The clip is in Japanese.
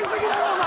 お前。